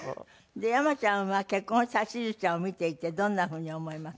で山ちゃんは結婚したしずちゃんを見ていてどんなふうに思います？